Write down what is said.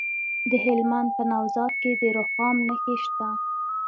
د هلمند په نوزاد کې د رخام نښې شته.